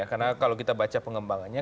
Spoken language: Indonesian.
karena kalau kita baca pengembangannya